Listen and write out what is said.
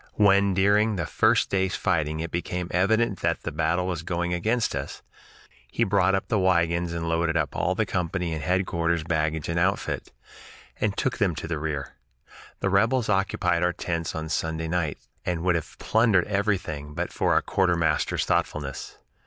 When during the first day's fighting it became evident that the battle was going against us, he brought up the wagons and loaded up all the company and headquarters baggage and outfit, and took them to the rear. The rebels occupied our tents on Sunday night, and would have plundered everything but for our quartermaster's thoughtfulness.